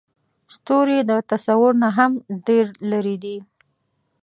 ستوري د تصور نه هم ډېر لرې دي.